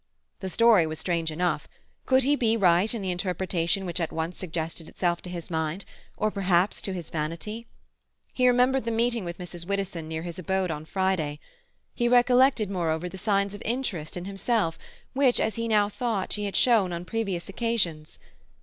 The story was strange enough. Could he be right in the interpretation which at once suggested itself to his mind—or perhaps to his vanity? He remembered the meeting with Mrs. Widdowson near his abode on Friday. He recollected, moreover, the signs of interest in himself which, as he now thought, she had shown on previous occasions.